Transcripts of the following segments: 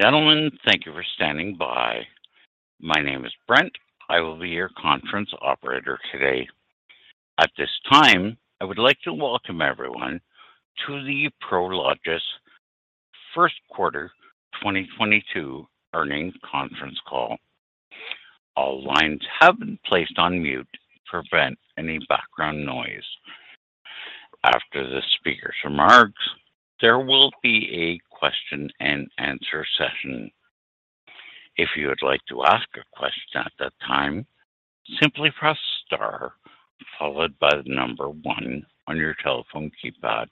Ladies and gentlemen, thank you for standing by. My name is Brent. I will be your conference operator today. At this time, I would like to welcome everyone to the Prologis First Quarter 2022 Earnings Conference Call. All lines have been placed on mute to prevent any background noise. After the speaker's remarks, there will be a question-and-answer session. If you would like to ask a question at that time, simply press star followed by the number one on your telephone keypad.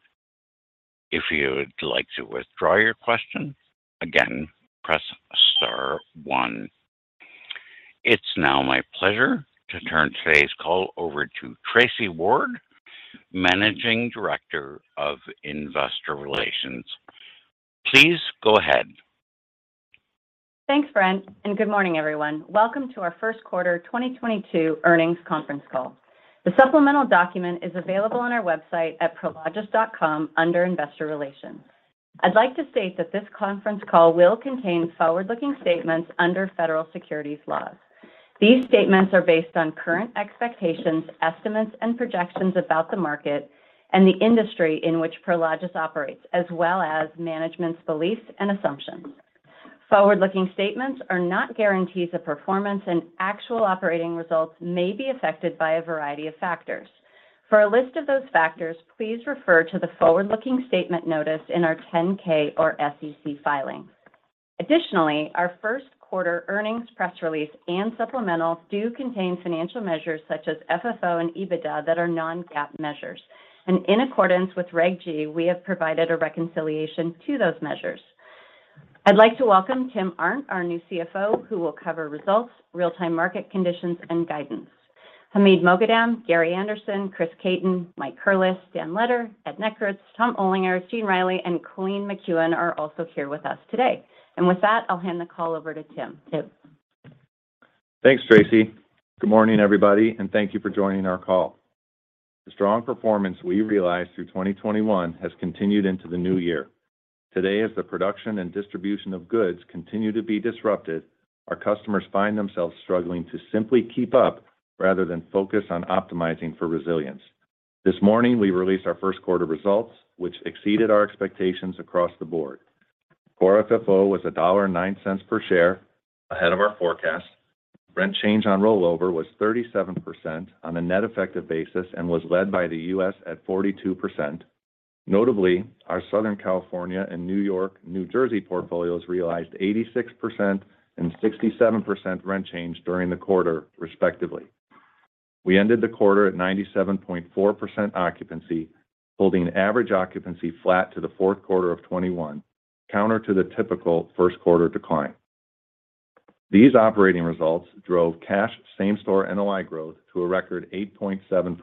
If you would like to withdraw your question, again, press star one. It's now my pleasure to turn today's call over to Tracy Ward, Managing Director of Investor Relations. Please go ahead. Thanks, Brent, and good morning, everyone. Welcome to our First Quarter 2022 Earnings Conference Call. The supplemental document is available on our website at prologis.com under Investor Relations. I'd like to state that this conference call will contain forward-looking statements under federal securities laws. These statements are based on current expectations, estimates, and projections about the market and the industry in which Prologis operates, as well as management's beliefs and assumptions. Forward-looking statements are not guarantees of performance, and actual operating results may be affected by a variety of factors. For a list of those factors, please refer to the forward-looking statement notice in our 10-K or SEC filing. Additionally, our first quarter earnings press release and supplementals do contain financial measures such as FFO and EBITDA that are non-GAAP measures. In accordance with Regulation G, we have provided a reconciliation to those measures. I'd like to welcome Tim Arndt, our new CFO, who will cover results, real-time market conditions, and guidance. Hamid Moghadam, Gary Anderson, Chris Caton, Mike Curless, Dan Letter, Edward Nekritz, Tom Olinger, Eugene Reilly, and Colleen McKeown are also here with us today. With that, I'll hand the call over to Tim. Tim. Thanks, Tracy. Good morning, everybody, and thank you for joining our call. The strong performance we realized through 2021 has continued into the new year. Today, as the production and distribution of goods continue to be disrupted, our customers find themselves struggling to simply keep up rather than focus on optimizing for resilience. This morning, we released our first quarter results, which exceeded our expectations across the board. Core FFO was $1.09 per share, ahead of our forecast. Rent change on rollover was 37% on a net effective basis and was led by the U.S. at 42%. Notably, our Southern California and New York, New Jersey portfolios realized 86% and 67% rent change during the quarter, respectively. We ended the quarter at 97.4% occupancy, holding average occupancy flat to the fourth quarter of 2021, counter to the typical first quarter decline. These operating results drove cash same-store NOI growth to a record 8.7%.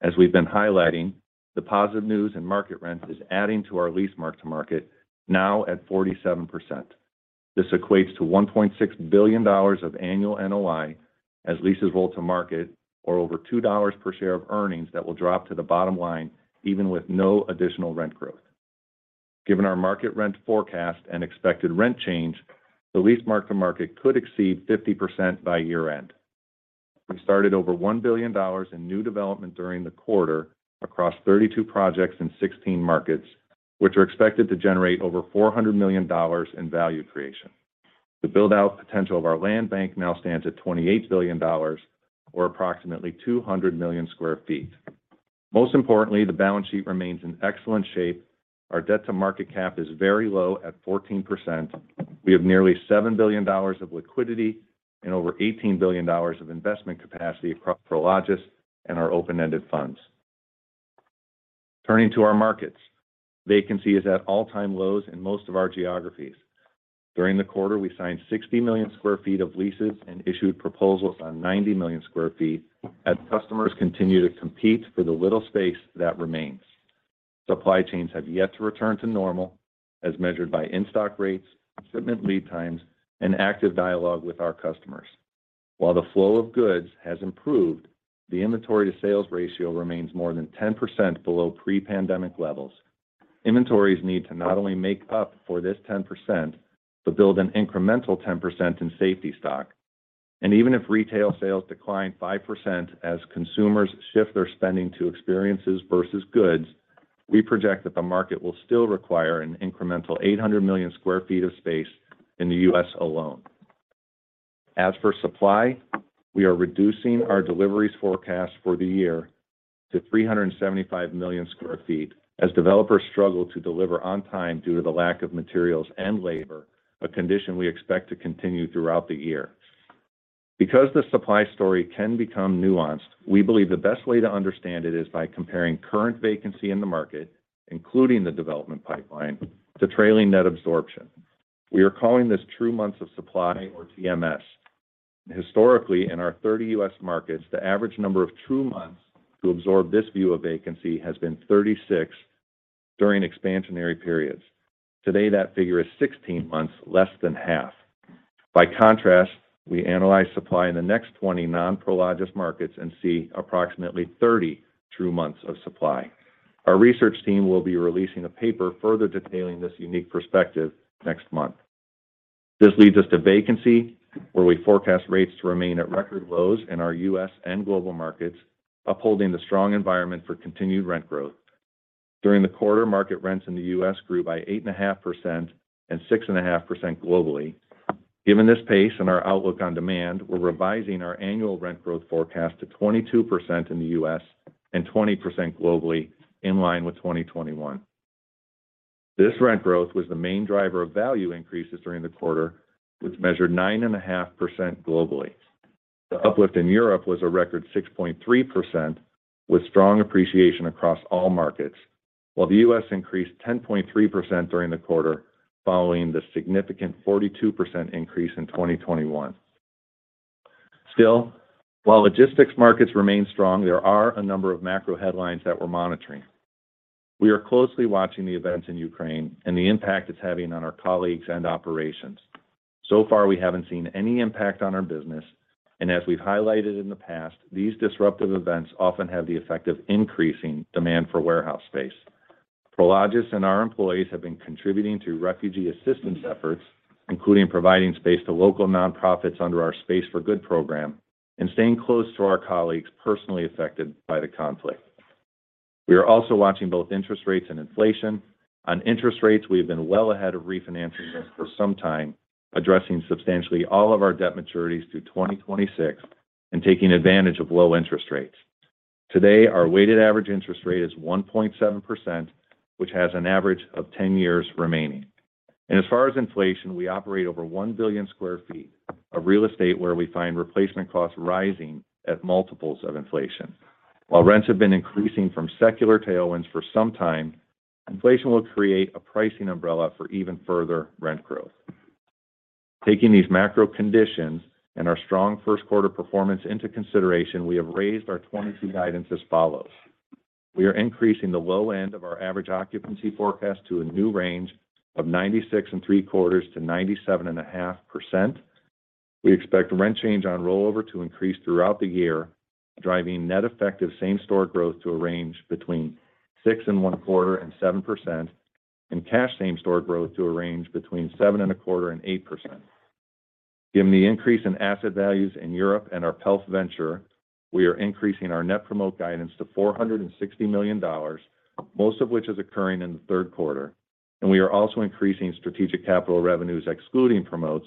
As we've been highlighting, the positive news in market rent is adding to our lease mark-to-market, now at 47%. This equates to $1.6 billion of annual NOI as leases roll to market, or over $2 per share of earnings that will drop to the bottom line even with no additional rent growth. Given our market rent forecast and expected rent change, the lease mark-to-market could exceed 50% by year-end. We started over $1 billion in new development during the quarter across 32 projects in 16 markets, which are expected to generate over $400 million in value creation. The build-out potential of our land bank now stands at $28 billion, or approximately 200 million sq ft. Most importantly, the balance sheet remains in excellent shape. Our debt to market cap is very low at 14%. We have nearly $7 billion of liquidity and over $18 billion of investment capacity across Prologis and our open-ended funds. Turning to our markets. Vacancy is at all-time lows in most of our geographies. During the quarter, we signed 60 million sq ft of leases and issued proposals on 90 million sq ft as customers continue to compete for the little space that remains. Supply chains have yet to return to normal as measured by in-stock rates, shipment lead times, and active dialogue with our customers. While the flow of goods has improved, the inventory to sales ratio remains more than 10% below pre-pandemic levels. Inventories need to not only make up for this 10%, but build an incremental 10% in safety stock. Even if retail sales decline 5% as consumers shift their spending to experiences versus goods, we project that the market will still require an incremental 800 million sq ft of space in the U.S. alone. As for supply, we are reducing our deliveries forecast for the year to 375 million sq ft, as developers struggle to deliver on time due to the lack of materials and labor, a condition we expect to continue throughout the year. Because the supply story can become nuanced, we believe the best way to understand it is by comparing current vacancy in the market, including the development pipeline, to trailing net absorption. We are calling this True Months of Supply or TMS. Historically, in our 30 U.S. markets, the average number of true months to absorb this view of vacancy has been 36 during expansionary periods. Today, that figure is 16 months, less than half. By contrast, we analyze supply in the next 20 non-Prologis markets and see approximately 32 months of supply. Our research team will be releasing a paper further detailing this unique perspective next month. This leads us to vacancy, where we forecast rates to remain at record lows in our U.S. and global markets, upholding the strong environment for continued rent growth. During the quarter, market rents in the U.S. grew by 8.5%, and 6.5% globally. Given this pace and our outlook on demand, we're revising our annual rent growth forecast to 22% in the U.S. and 20% globally, in line with 2021. This rent growth was the main driver of value increases during the quarter, which measured 9.5% globally. The uplift in Europe was a record 6.3% with strong appreciation across all markets. While the U.S. increased 10.3% during the quarter, following the significant 42% increase in 2021. Still, while logistics markets remain strong, there are a number of macro headlines that we're monitoring. We are closely watching the events in Ukraine, and the impact it's having on our colleagues and operations. Far, we haven't seen any impact on our business, and as we've highlighted in the past, these disruptive events often have the effect of increasing demand for warehouse space. Prologis and our employees have been contributing to refugee assistance efforts, including providing space to local nonprofits under our Space for Good program, and staying close to our colleagues personally affected by the conflict. We are also watching both interest rates and inflation. On interest rates, we have been well ahead of refinancing risk for some time, addressing substantially all of our debt maturities through 2026 and taking advantage of low interest rates. Today, our weighted average interest rate is 1.7%, which has an average of 10 years remaining. As far as inflation, we operate over 1 billion sq ft of real estate where we find replacement costs rising at multiples of inflation. While rents have been increasing from secular tailwinds for some time, inflation will create a pricing umbrella for even further rent growth. Taking these macro conditions and our strong first quarter performance into consideration, we have raised our 2022 guidance as follows. We are increasing the low end of our average occupancy forecast to a new range of 96.75%-97.5%. We expect rent change on rollover to increase throughout the year, driving net effective same-store growth to a range between 6.25% and 7%, and cash same-store growth to a range between 7.25% and 8%. Given the increase in asset values in Europe and our PELF venture, we are increasing our net promotes guidance to $460 million, most of which is occurring in the third quarter. We are also increasing strategic capital revenues excluding promotes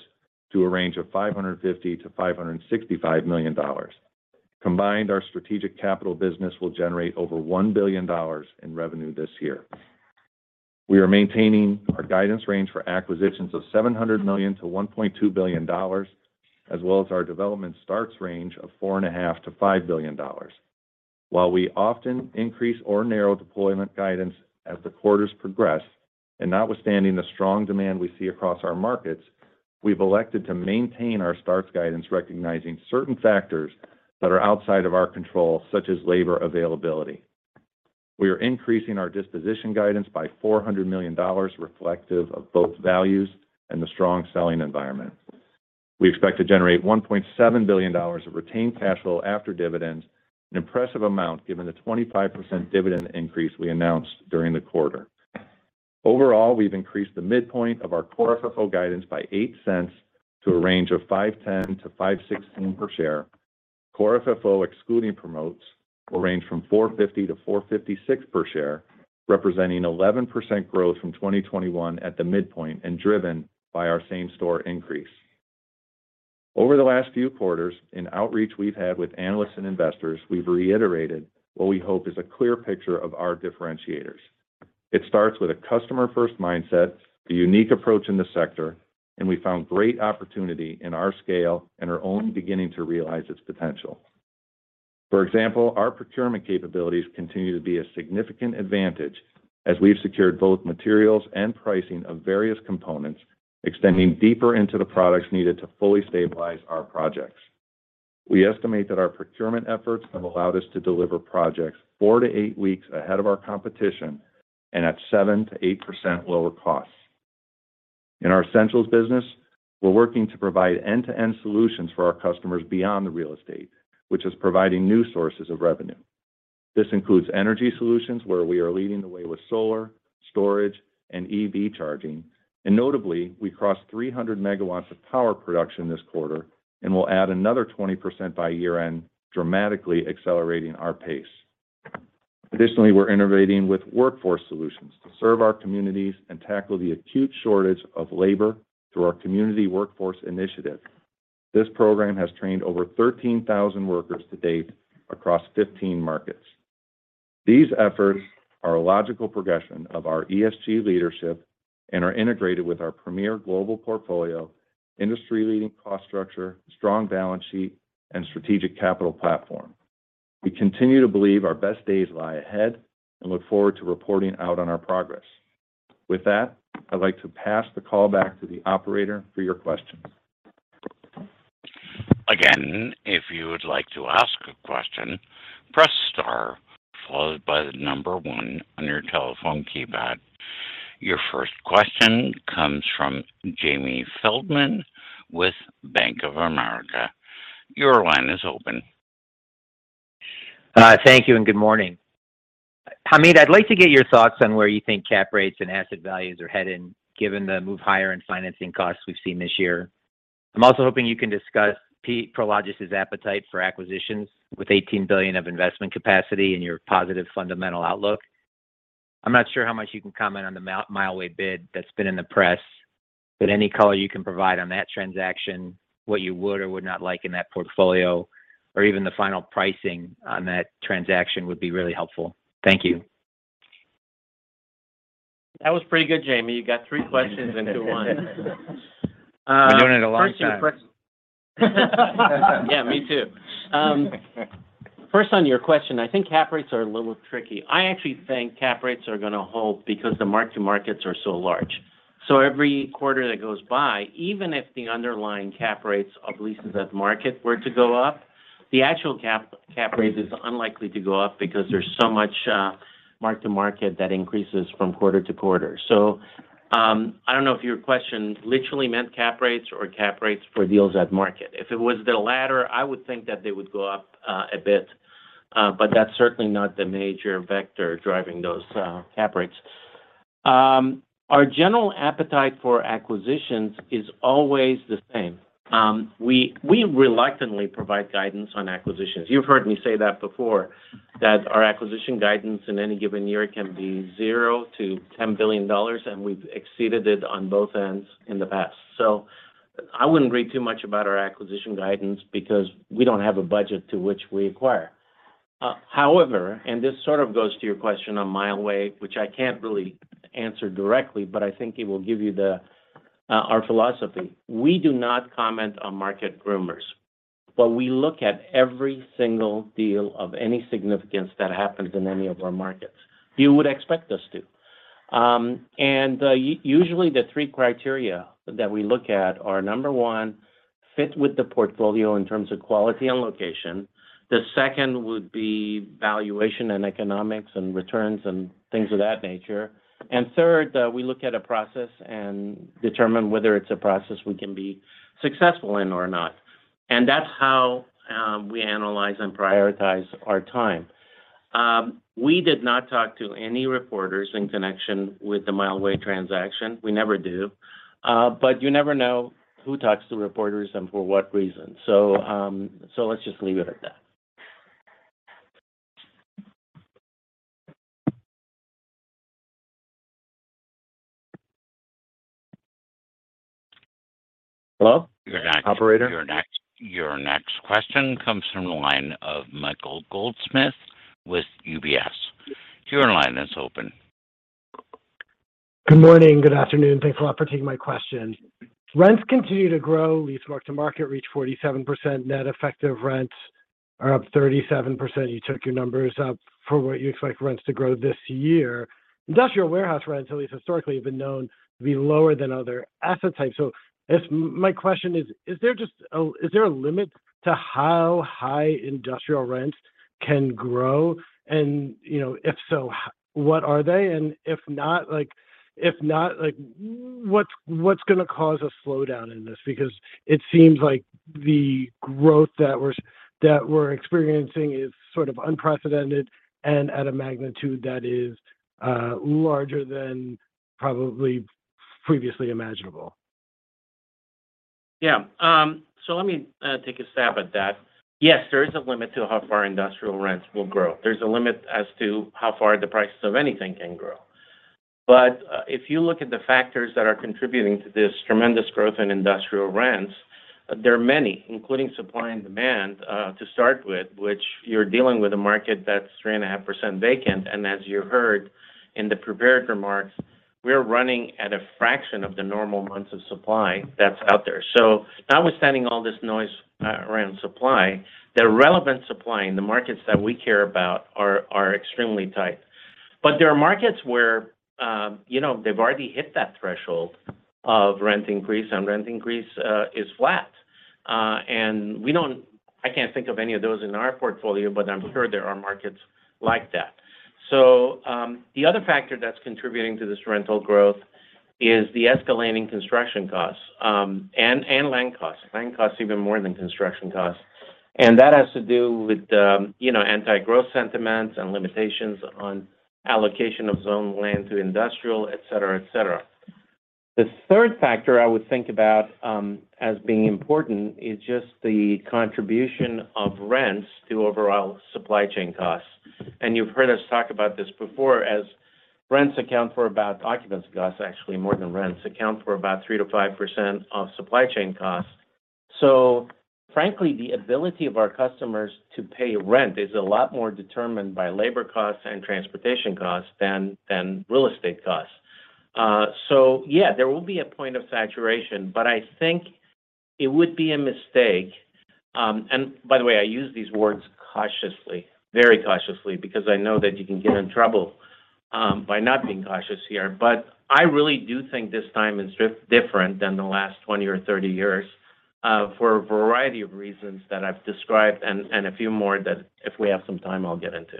to a range of $550 million-$565 million. Combined, our strategic capital business will generate over $1 billion in revenue this year. We are maintaining our guidance range for acquisitions of $700 million-$1.2 billion, as well as our development starts range of $4.5 billion-$5 billion. While we often increase or narrow deployment guidance as the quarters progress, and notwithstanding the strong demand we see across our markets, we've elected to maintain our starts guidance, recognizing certain factors that are outside of our control, such as labor availability. We are increasing our disposition guidance by $400 million, reflective of both values and the strong selling environment. We expect to generate $1.7 billion of retained cash flow after dividends, an impressive amount given the 25% dividend increase we announced during the quarter. Overall, we've increased the midpoint of our core FFO guidance by $0.8 to a range of $5.10-$5.16 per share. Core FFO excluding promotes will range from $4.50-$4.56 per share, representing 11% growth from 2021 at the midpoint and driven by our same-store increase. Over the last few quarters, in outreach we've had with analysts and investors, we've reiterated what we hope is a clear picture of our differentiators. It starts with a customer-first mindset, a unique approach in the sector, and we found great opportunity in our scale and are only beginning to realize its potential. For example, our procurement capabilities continue to be a significant advantage as we've secured both materials and pricing of various components, extending deeper into the products needed to fully stabilize our projects. We estimate that our procurement efforts have allowed us to deliver projects 4-8 weeks ahead of our competition and at 7%-8% lower costs. In our Essentials business, we're working to provide end-to-end solutions for our customers beyond the real estate, which is providing new sources of revenue. This includes energy solutions where we are leading the way with solar, storage, and EV charging. Notably, we crossed 300 MW of power production this quarter and will add another 20% by year-end, dramatically accelerating our pace. We're innovating with workforce solutions to serve our communities, and tackle the acute shortage of labor through our Community Workforce Initiative. This program has trained over 13,000 workers to date across 15 markets. These efforts are a logical progression of our ESG leadership, and are integrated with our premier global portfolio, industry-leading cost structure, strong balance sheet, and strategic capital platform. We continue to believe our best days lie ahead and look forward to reporting out on our progress. With that, I'd like to pass the call back to the operator for your questions. Again, if you would like to ask a question, press star followed by the number one on your telephone keypad. Your first question comes from Jamie Feldman with Bank of America. Your line is open. Thank you and good morning. Hamid, I'd like to get your thoughts on where you think cap rates and asset values are heading, given the move higher in financing costs we've seen this year. I'm also hoping you can discuss Prologis' appetite for acquisitions, with $18 billion of investment capacity and your positive fundamental outlook. I'm not sure how much you can comment on the Mileway bid that's been in the press, but any color you can provide on that transaction, what you would or would not like in that portfolio, or even the final pricing on that transaction would be really helpful. Thank you. That was pretty good, Jamie. You got three questions into one. Been doing it a long time. Yeah, me too. First on your question, I think cap rates are a little tricky. I actually think cap rates are gonna hold because the mark-to-markets are so large. Every quarter that goes by, even if the underlying cap rates of leases at market were to go up, the actual cap rates is unlikely to go up because there's so much mark to market that increases from quarter to quarter. I don't know if your question literally meant cap rates or cap rates for deals at market. If it was the latter, I would think that they would go up a bit, but that's certainly not the major vector driving those cap rates. Our general appetite for acquisitions is always the same. We reluctantly provide guidance on acquisitions. You've heard me say that before, that our acquisition guidance in any given year can be $0-$10 billion, and we've exceeded it on both ends in the past. I wouldn't read too much about our acquisition guidance because we don't have a budget to which we acquire. However, this sort of goes to your question on Mileway, which I can't really answer directly, but I think it will give you the our philosophy. We do not comment on market rumors, but we look at every single deal of any significance that happens in any of our markets. You would expect us to. Usually, the three criteria that we look at are, number one, fit with the portfolio in terms of quality and location. The second would be valuation and economics and returns, and things of that nature. Third, we look at a process and determine whether it's a process we can be successful in or not. That's how we analyze and prioritize our time. We did not talk to any reporters in connection with the Mileway transaction. We never do. You never know who talks to reporters and for what reason. Let's just leave it at that. Hello? Operator. Your next question comes from the line of Michael Goldsmith with UBS. Your line is open. Good morning. Good afternoon. Thanks a lot for taking my question. Rents continue to grow. Lease mark-to-market reached 47%. Net effective rents are up 37%. You took your numbers up for what you expect rents to grow this year. Industrial warehouse rents, at least historically, have been known to be lower than other asset types. My question is, i there a limit to how high industrial rents can grow? You know, if so, what are they? And if not, like, what's gonna cause a slowdown in this? Because it seems like the growth that we're experiencing is sort of unprecedented and at a magnitude that is larger than probably previously imaginable. Yeah. So let me take a stab at that. Yes, there is a limit to how far industrial rents will grow. There's a limit as to how far the prices of anything can grow. If you look at the factors that are contributing to this tremendous growth in industrial rents, there are many, including supply and demand to start with, which you're dealing with a market that's 3.5% vacant. As you heard in the prepared remarks, we're running at a fraction of the normal months of supply that's out there. Notwithstanding all this noise around supply, the relevant supply in the markets that we care about are extremely tight. There are markets where you know, they've already hit that threshold of rent increase, and rent increase is flat. I can't think of any of those in our portfolio, but I'm sure there are markets like that. The other factor that's contributing to this rental growth is the escalating construction costs, and land costs. Land costs even more than construction costs. That has to do with, you know, anti-growth sentiments and limitations on allocation of zoned land to industrial, et cetera, et cetera. The third factor I would think about as being important is just the contribution of rents to overall supply chain costs. You've heard us talk about this before as rents account for about... Occupancy costs, actually, more than rents, account for about 3%-5% of supply chain costs. Frankly, the ability of our customers to pay rent is a lot more determined by labor costs and transportation costs than real estate costs. Yeah, there will be a point of saturation, but I think it would be a mistake. By the way, I use these words cautiously, very cautiously, because I know that you can get in trouble. By not being cautious here. I really do think this time is different than the last 20 or 30 years, for a variety of reasons that I've described and a few more that if we have some time, I'll get into.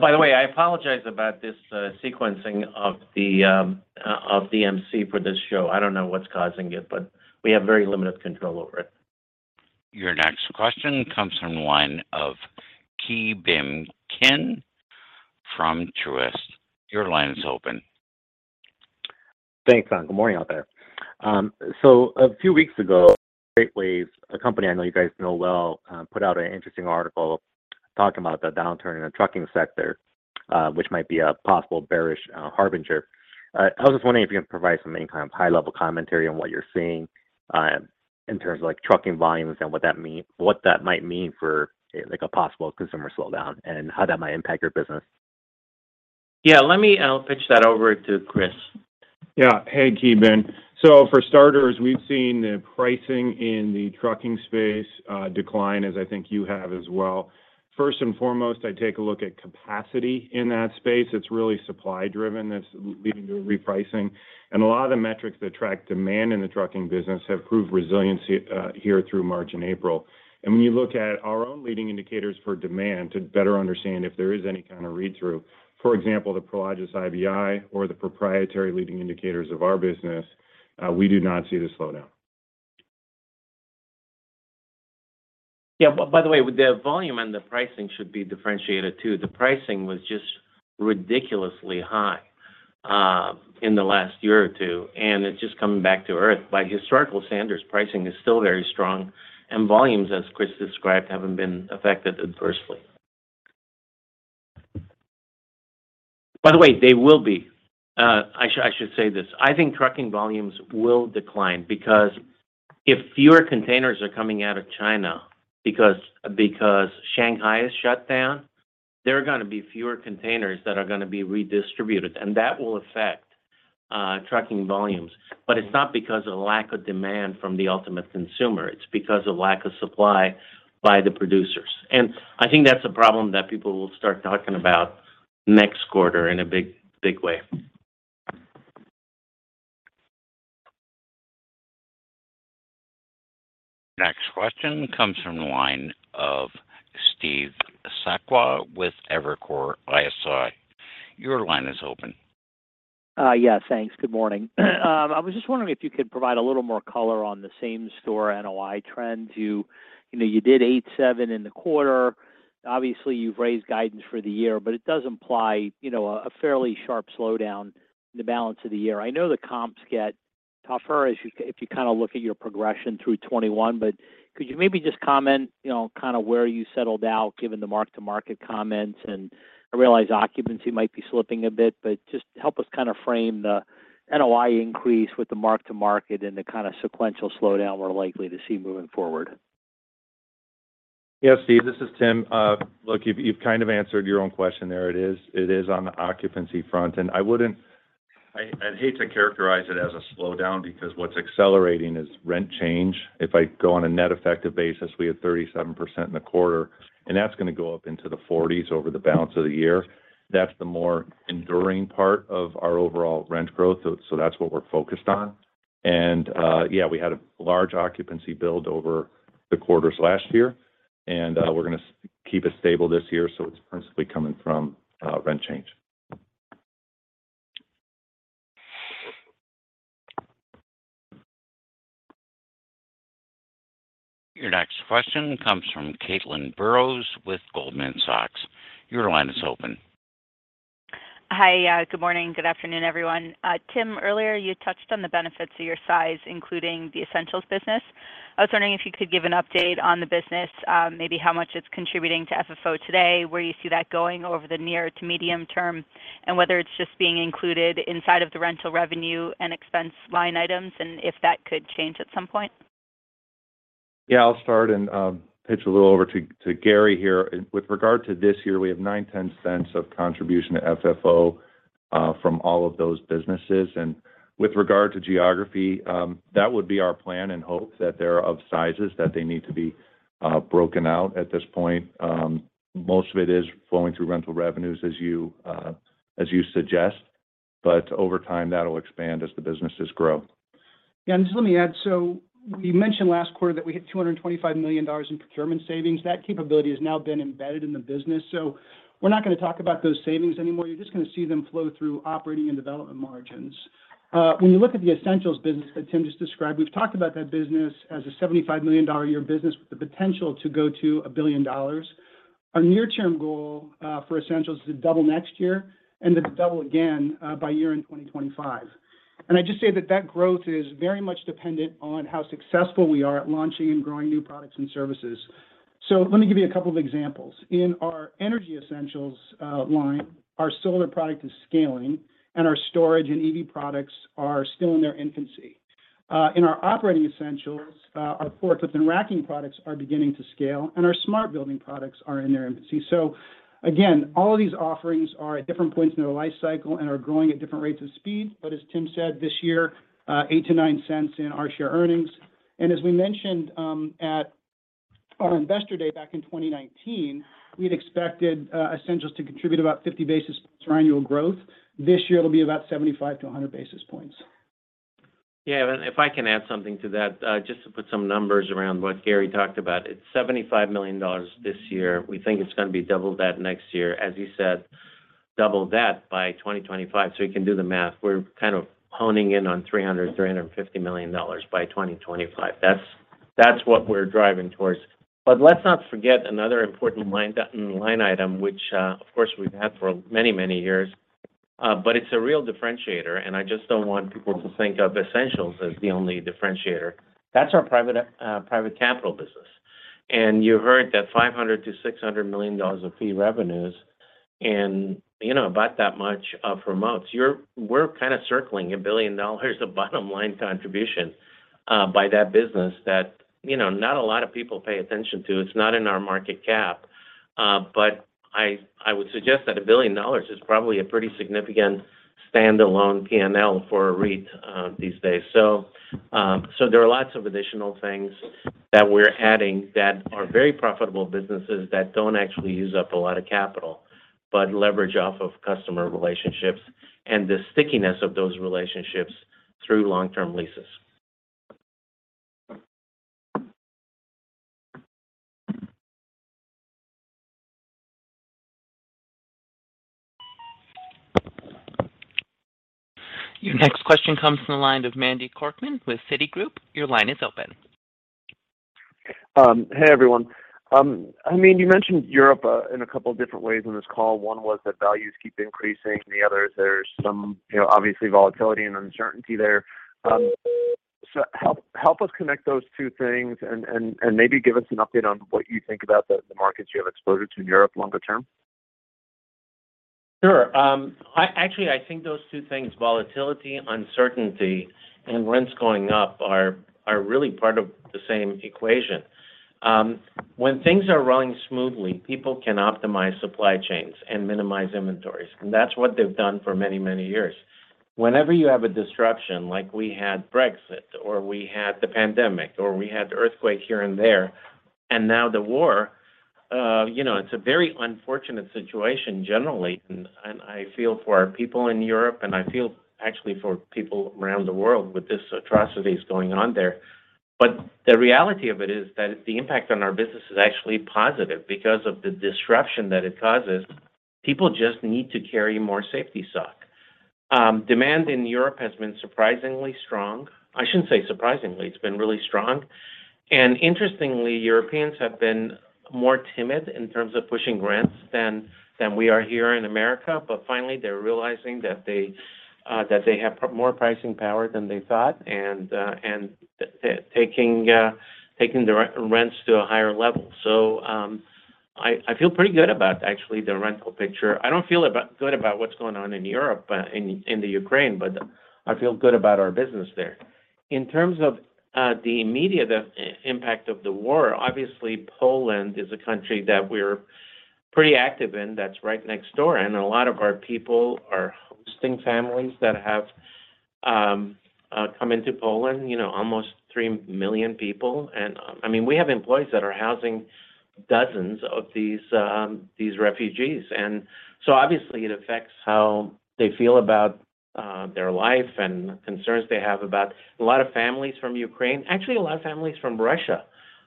By the way, I apologize about this sequencing of the MC for this show. I don't know what's causing it, but we have very limited control over it. Your next question comes from the line of Ki Bin Kim from Truist. Your line is open. Thanks, and good morning out there. A few weeks ago, FreightWaves, a company I know you guys know well, put out an interesting article talking about the downturn in the trucking sector, which might be a possible bearish harbinger. I was just wondering if you can provide some, any kind of high-level commentary on what you're seeing in terms of, like, trucking volumes and what that might mean for, like, a possible consumer slowdown, and how that might impact your business. Yeah, let me pitch that over to Chris. Yeah. Hey, Ki Bin Kim. For starters, we've seen the pricing in the trucking space decline as I think you have as well. First and foremost, I take a look at capacity in that space. It's really supply driven that's leading to a repricing. A lot of the metrics that track demand in the trucking business have proved resiliency here through March and April. When you look at our own leading indicators for demand to better understand if there is any kind of read-through, for example, the Prologis IBI or the proprietary leading indicators of our business, we do not see the slowdown. Yeah. By the way, the volume and the pricing should be differentiated too. The pricing was just ridiculously high in the last year or two, and it's just coming back to earth. By historical standards, pricing is still very strong, and volumes, as Chris described, haven't been affected adversely. By the way, they will be. I should say this. I think trucking volumes will decline because if fewer containers are coming out of China because Shanghai is shut down, there are gonna be fewer containers that are gonna be redistributed, and that will affect trucking volumes. But it's not because of lack of demand from the ultimate consumer. It's because of lack of supply by the producers. I think that's a problem that people will start talking about next quarter in a big way. Next question comes from the line of Steve Sakwa with Evercore ISI. Your line is open. Yeah. Thanks. Good morning. I was just wondering if you could provide a little more color on the same-store NOI trends. You know, you did 8.7% in the quarter. Obviously, you've raised guidance for the year, but it does imply, you know, a fairly sharp slowdown in the balance of the year. I know the comps get tougher if you kinda look at your progression through 2021, but could you maybe just comment, you know, kind of where you settled out given the mark-to-market comments? I realize occupancy might be slipping a bit, but just help us kind of frame the NOI increase with the mark-to-market, and the kind of sequential slowdown we're likely to see moving forward. Yeah, Steve, this is Tim. Look, you've kind of answered your own question there. It is on the occupancy front. I wouldn't hate to characterize it as a slowdown because what's accelerating is rent change. If I go on a net effective basis, we had 37% in the quarter, and that's gonna go up into the 40s over the balance of the year. That's the more enduring part of our overall rent growth. That's what we're focused on. Yeah, we had a large occupancy build over the quarters last year, and we're gonna keep it stable this year, so it's principally coming from rent change. Your next question comes from Caitlin Burrows with Goldman Sachs. Your line is open. Hi. Good morning. Good afternoon, everyone. Tim, earlier you touched on the benefits of your size, including the essentials business. I was wondering if you could give an update on the business, maybe how much it's contributing to FFO today, where you see that going over the near to medium term, and whether it's just being included inside of the rental revenue and expense line items, and if that could change at some point? Yeah, I'll start and pitch a little over to Gary here. With regard to this year, we have $0.09-$0.10 of contribution to FFO from all of those businesses. With regard to geography, that would be our plan and hope that they're of sizes that they need to be broken out at this point. Most of it is flowing through rental revenues as you suggest, but over time, that'll expand as the businesses grow. Yeah. Just let me add. We mentioned last quarter that we hit $225 million in procurement savings. That capability has now been embedded in the business. We're not gonna talk about those savings anymore. You're just gonna see them flow through operating and development margins. When you look at the Essentials business that Tim just described, we've talked about that business as a $75 million a year business with the potential to go to $1 billion. Our near-term goal for Essentials is to double next year and then to double again by year-end 2025. I'd just say that growth is very much dependent on how successful we are at launching and growing new products and services. Let me give you a couple of examples. In our energy essentials line, our solar product is scaling, and our storage and EV products are still in their infancy. In our operating essentials, our forklift and racking products are beginning to scale, and our smart building products are in their infancy. Again, all of these offerings are at different points in their life cycle and are growing at different rates of speed. As Tim said this year, $0.08-$0.09 in our share earnings. As we mentioned at our investor day back in 2019, we'd expected Essentials to contribute about 50 basis annual growth. This year, it'll be about 75-100 basis points. Yeah. If I can add something to that, just to put some numbers around what Gary talked about, it's $75 million this year. We think it's gonna be double that next year. As you said, double that by 2025. You can do the math. We're kind of honing in on $300-$350 million by 2025. That's what we're driving towards. Let's not forget another important line item, which, of course, we've had for many, many years, but it's a real differentiator, and I just don't want people to think of Essentials as the only differentiator. That's our private capital business. You heard that $500-$600 million of fee revenues and, you know, about that much of promotes. We're kind of circling $1 billion of bottom line contribution by that business that, you know, not a lot of people pay attention to. It's not in our market cap. I would suggest that $1 billion is probably a pretty significant standalone P&L for a REIT these days. There are lots of additional things that we're adding that are very profitable businesses that don't actually use up a lot of capital, but leverage off of customer relationships, and the stickiness of those relationships through long-term leases. Your next question comes from the line of Manny Korchman with Citigroup. Your line is open. Hey, everyone. I mean, you mentioned Europe in a couple of different ways on this call. One was that values keep increasing, and the other is there's some, you know, obviously volatility and uncertainty there. Help us connect those two things and maybe give us an update on what you think about the markets you have exposure to in Europe longer term. Sure. Actually, I think those two things, volatility, uncertainty, and rents going up are really part of the same equation. When things are running smoothly, people can optimize supply chains and minimize inventories, and that's what they've done for many, many years. Whenever you have a disruption, like we had Brexit, or we had the pandemic, or we had the earthquake here and there, and now the war, you know, it's a very unfortunate situation generally. I feel for our people in Europe, and I feel actually for people around the world with this atrocities going on there. The reality of it is that the impact on our business is actually positive. Because of the disruption that it causes, people just need to carry more safety stock. Demand in Europe has been surprisingly strong. I shouldn't say surprisingly. It's been really strong. Interestingly, Europeans have been more timid in terms of pushing rents than we are here in America. Finally, they're realizing that they have more pricing power than they thought and taking rents to a higher level. I feel pretty good about actually the rental picture. I don't feel good about what's going on in Europe in the Ukraine, but I feel good about our business there. In terms of the immediate impact of the war, obviously, Poland is a country that we're pretty active in that's right next door. A lot of our people are hosting families that have come into Poland, you know, almost 3 million people. I mean, we have employees that are housing dozens of these refugees. Obviously it affects how they feel about their life and concerns they have about a lot of families from Ukraine, actually a lot of families from Russia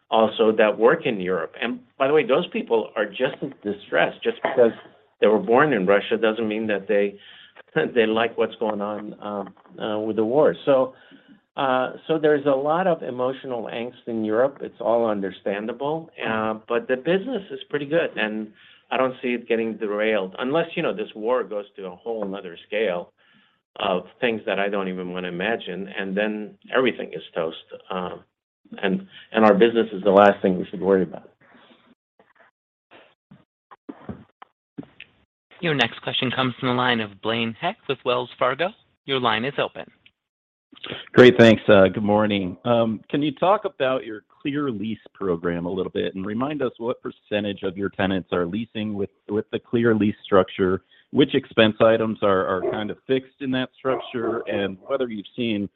also that work in Europe. By the way, those people are just as distressed. Just because they were born in Russia doesn't mean that they like what's going on with the war. So there's a lot of emotional angst in Europe. It's all understandable. The business is pretty good, and I don't see it getting derailed unless you know, this war goes to a whole another scale of things that I don't even want to imagine, and then everything is toast. Our business is the last thing we should worry about. Your next question comes from the line of Blaine Heck with Wells Fargo. Your line is open. Great. Thanks. Good morning. Can you talk about your Clear Lease program a little bit and remind us what percentage of your tenants are leasing with the Clear Lease structure, which expense items are kind of fixed in that structure, and whether you've seen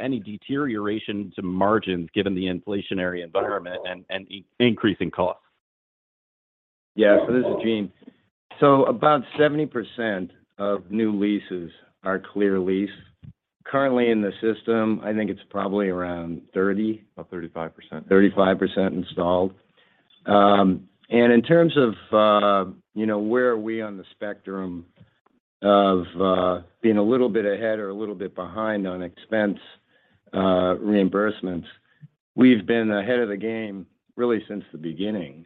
any deterioration to margins given the inflationary environment and increasing costs? Yeah. This is Eugene. About 70% of new leases are Clear Lease. Currently in the system, I think it's probably around 30- About 35%. 35% installed. In terms of, you know, where are we on the spectrum of being a little bit ahead or a little bit behind on expense reimbursements, we've been ahead of the game really since the beginning.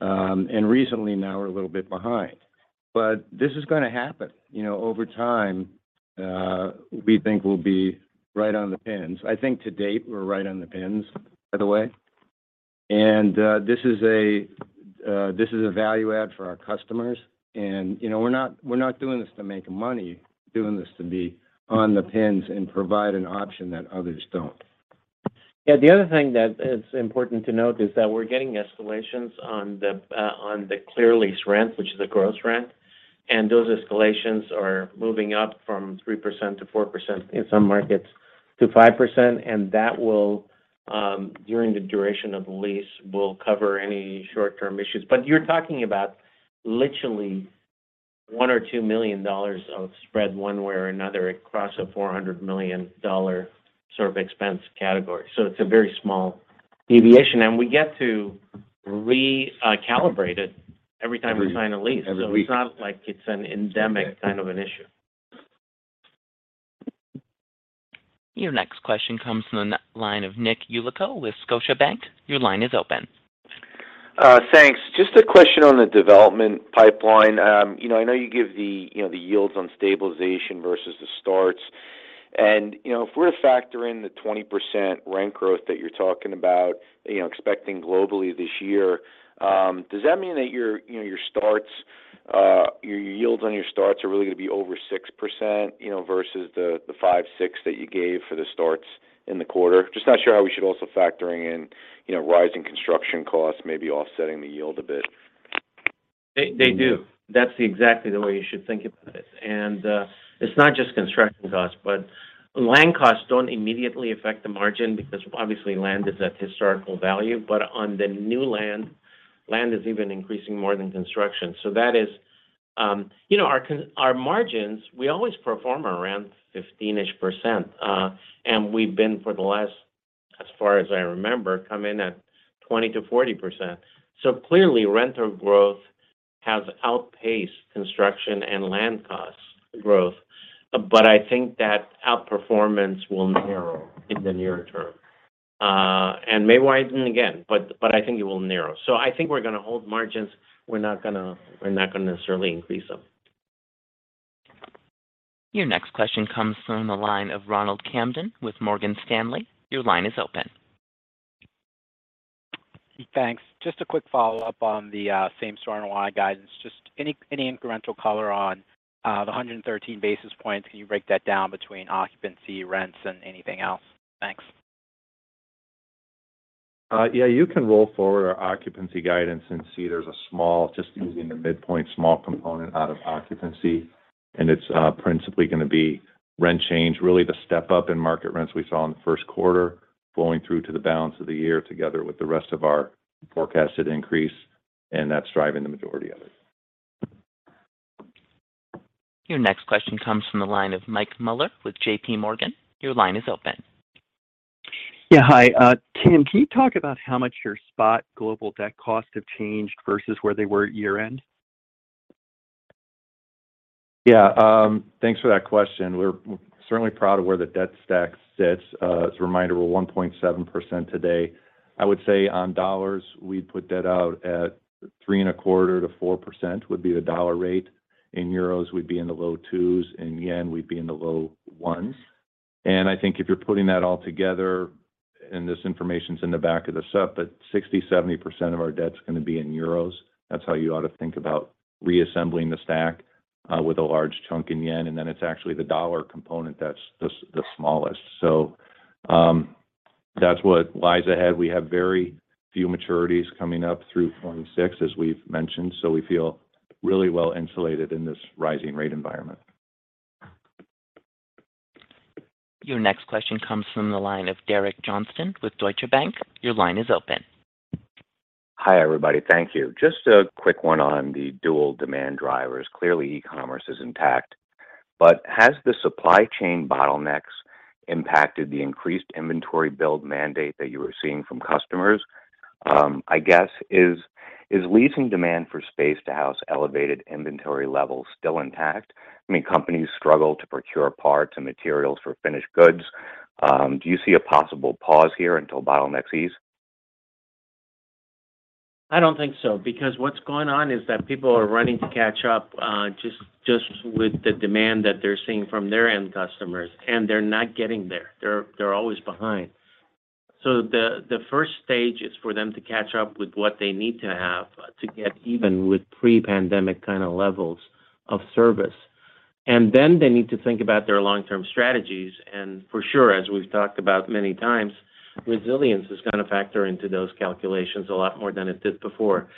Recently now we're a little bit behind. This is gonna happen. You know, over time, we think we'll be right on the pins. I think to date we're right on the pins, by the way. This is a value add for our customers. You know, we're not doing this to make money, doing this to be on the pins and provide an option that others don't. Yeah. The other thing that is important to note is that we're getting escalations on the Clear Lease rent, which is a gross rent, and those escalations are moving up from 3% to 4% in some markets to 5%, and that will, during the duration of the lease, will cover any short-term issues. You're talking about literally $1 million or $2 million of spread one way or another across a $400 million sort of expense category. So it's a very small deviation. We get to recalibrate it every time we sign a lease. Every week. It's not like it's an endemic kind of an issue. Your next question comes from the line of Nick Yulico with Scotiabank. Your line is open. Thanks. Just a question on the development pipeline. You know, I know you give the yields on stabilization versus the starts. You know, if we're to factor in the 20% rent growth that you're talking about, expecting globally this year, does that mean that your starts, your yields on your starts are really going to be over 6%, you know, versus the 5%-6% that you gave for the starts in the quarter? Just not sure how we should also factor in, you know, rising construction costs maybe offsetting the yield a bit. They do. That's exactly the way you should think about it. It's not just construction costs, but land costs don't immediately affect the margin because obviously land is at historical value. On the new land is even increasing more than construction. You know, our margins, we always perform around 15-ish%. We've been for the last, as far as I remember, come in at 20%-40%. Clearly rent growth has outpaced construction and land costs growth. I think that outperformance will narrow in the near term, and may widen again, but I think it will narrow. I think we're going to hold margins. We're not gonna necessarily increase them. Your next question comes from the line of Ronald Kamdem with Morgan Stanley. Your line is open. Thanks. Just a quick follow-up on the same-store NOI guidance. Just any incremental color on the 113 basis points. Can you break that down between occupancy, rents, and anything else? Thanks. Yeah, you can roll forward our occupancy guidance and see there's a small, just using the midpoint, small component out of occupancy, and it's principally going to be rent change. Really the step up in market rents we saw in the first quarter flowing through to the balance of the year together with the rest of our forecasted increase, and that's driving the majority of it. Your next question comes from the line of Michael Mueller with J.P. Morgan. Your line is open. Yeah. Hi. Tim, can you talk about how much your spot global debt costs have changed versus where they were at year-end? Yeah. Thanks for that question. We're certainly proud of where the debt stack sits. As a reminder, we're 1.7% today. I would say on dollars, we'd put that out at $3.25%-4% would be the dollar rate. In EUR, we'd be in the low 2s. In JPY, we'd be in the low 1s. I think if you're putting that all together, and this information is in the back of the set, but 60%-70% of our debt is going to be in EUR. That's how you ought to think about reassembling the stack, with a large chunk in JPY. Then it's actually the dollar component that's the smallest. That's what lies ahead. We have very few maturities coming up through 2026, as we've mentioned. We feel really well insulated in this rising rate environment. Your next question comes from the line of Derek Johnston with Deutsche Bank. Your line is open. Hi, everybody. Thank you. Just a quick one on the dual demand drivers. Clearly, e-commerce is intact, but has the supply chain bottlenecks impacted the increased inventory build mandate that you were seeing from customers? I guess is leasing demand for space to house elevated inventory levels still intact? I mean, companies struggle to procure parts and materials for finished goods. Do you see a possible pause here until bottlenecks ease? I don't think so. Because what's going on is that people are running to catch up just with the demand that they're seeing from their end customers, and they're not getting there. They're always behind. The first stage is for them to catch up with what they need to have to get even with pre-pandemic kind of levels of service. They need to think about their long-term strategies. For sure, as we've talked about many times, resilience is going to factor into those calculations a lot more than it did before.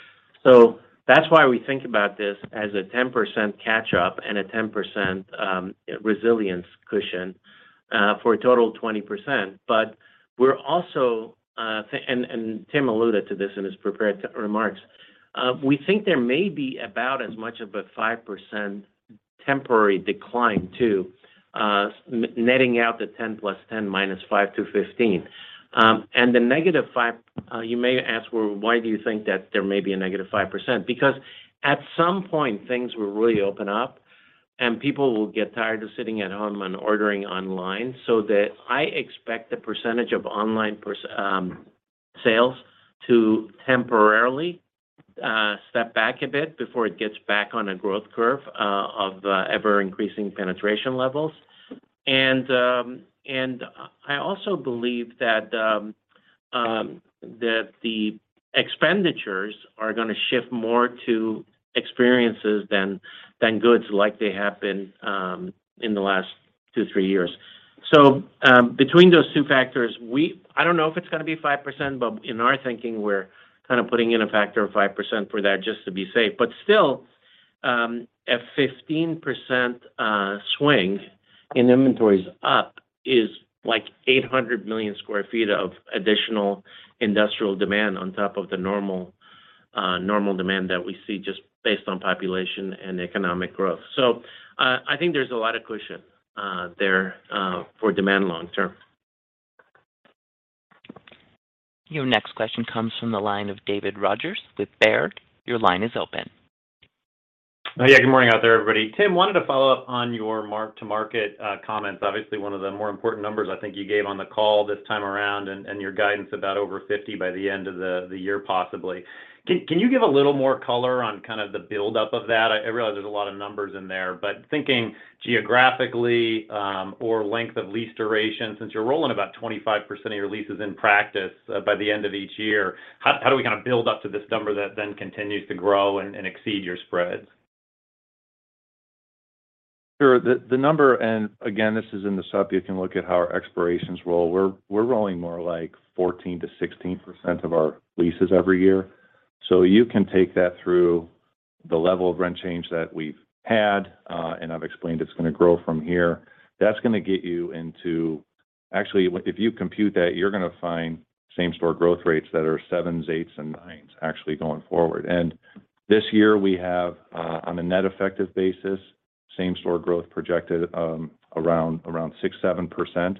That's why we think about this as a 10% catch-up and a 10% resilience cushion for a total of 20%. We're also, and Tim alluded to this in his prepared remarks. We think there may be about as much of a 5% temporary decline too, netting out the 10 + 10 - 5 to 15. The -5%, you may ask, "Well, why do you think that there may be a -5%?" Because at some point, things will really open up and people will get tired of sitting at home and ordering online. I expect the percentage of online sales to temporarily step back a bit before it gets back on a growth curve of ever-increasing penetration levels. I also believe that the expenditures are gonna shift more to experiences than goods like they have been in the last two, three years. Between those two factors, I don't know if it's gonna be 5%, but in our thinking, we're kind of putting in a factor of 5% for that just to be safe. Still, a 15% swing in inventories up is like 800 million sq ft of additional industrial demand on top of the normal demand that we see just based on population and economic growth. I think there's a lot of cushion there for demand long term. Your next question comes from the line of Dave Rodgers with Baird. Your line is open. Yeah. Good morning out there, everybody. Tim, wanted to follow up on your mark-to-market comments. Obviously, one of the more important numbers I think you gave on the call this time around, and your guidance about over 50 by the end of the year possibly. Can you give a little more color on kind of the build up of that? I realize there's a lot of numbers in there. Thinking geographically, or length of lease duration, since you're rolling about 25% of your leases in practice, by the end of each year, how do we kind of build up to this number that then continues to grow and exceed your spreads? Sure. The number. Again, this is in the supplemental, you can look at how our expirations roll. We're rolling more like 14%-16% of our leases every year. You can take that through the level of rent change that we've had, and I've explained it's gonna grow from here. That's gonna get you into. Actually, if you compute that, you're gonna find same store growth rates that are 7%, 8% and 9% actually going forward. This year we have, on a net effective basis, same store growth projected, around 6%-7%.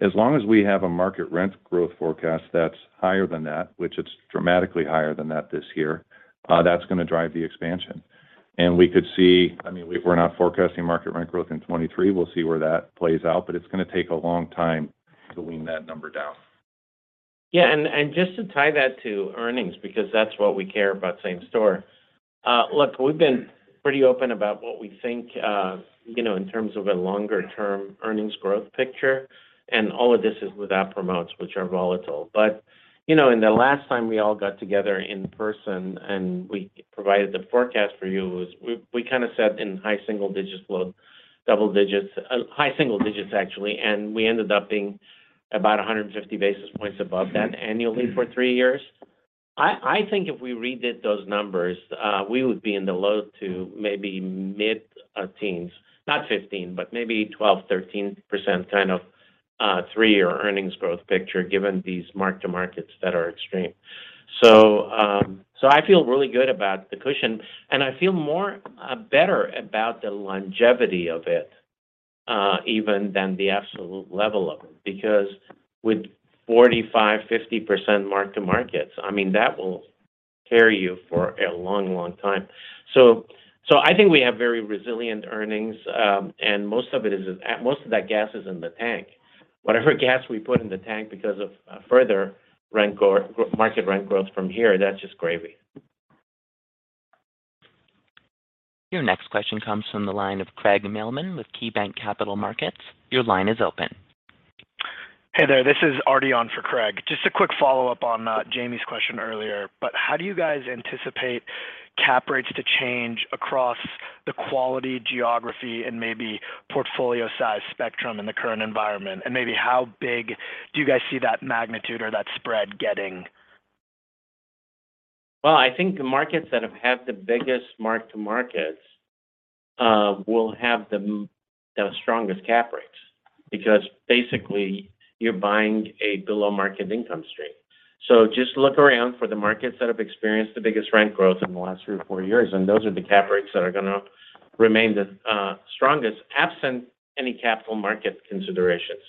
As long as we have a market rent growth forecast that's higher than that, which it's dramatically higher than that this year, that's gonna drive the expansion. We could see. I mean, we're not forecasting market rent growth in 2023. We'll see where that plays out, but it's gonna take a long time to wean that number down. Yeah. Just to tie that to earnings, because that's what we care about same store. Look, we've been pretty open about what we think, you know, in terms of a longer term earnings growth picture, and all of this is without promotes, which are volatile. You know, and the last time we all got together in person, and we provided the forecast for you was we kind of said in high single digits, low double digits. High single digits actually, and we ended up being about 150 basis points above that annually for three years. I think if we redid those numbers, we would be in the low to maybe mid-teens. Not 15%, but maybe 12%, 13% kind of three-year earnings growth picture given these mark-to-markets that are extreme. I feel really good about the cushion, and I feel more better about the longevity of it, even than the absolute level of it. Because with 45%-50% mark-to-markets, I mean, that will carry you for a long, long time. I think we have very resilient earnings, and most of that gas is in the tank. Whatever gas we put in the tank because of further market rent growth from here, that's just gravy. Your next question comes from the line of Craig Mailman with KeyBanc Capital Markets. Your line is open. Hey there. This is Artie on for Craig. Just a quick follow-up on Jamie's question earlier. How do you guys anticipate cap rates to change across the quality geography and maybe portfolio size spectrum in the current environment? Maybe how big do you guys see that magnitude or that spread getting? Well, I think the markets that have had the biggest mark-to-markets will have the strongest cap rates, because basically you're buying a below market income stream. Just look around for the markets that have experienced the biggest rent growth in the last three or four years, and those are the cap rates that are gonna remain the strongest absent any capital market considerations.